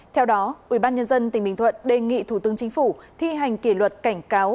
theo đó ủy ban nhân dân tỉnh bình thuận đề nghị thủ tướng chính phủ thi hành kỷ luật cảnh cáo